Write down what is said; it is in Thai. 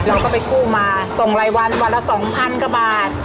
เราก็ไปกู้มาส่งรายวันวันละ๒๐๐๐กว่าบาท